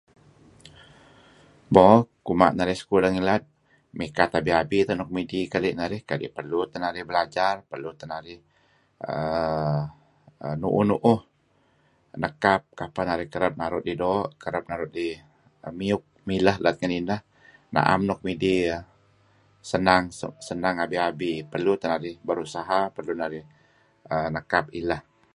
Mo, kuma' narih sekulah ngilad mikat abi-abi teh nuk midih kali' narih kadi' perlu teh narih belajar, perlu teh narih err nu'uh-nu'uh nekap kapeh narih kereb naru' 'dih doo', kereb naru' 'dih miuk mileh let ngen ineh. Na'em nuk midih err senang suk senang abi-abi. Perlu teh narih berusaha, perlu teh narih nekap ileh.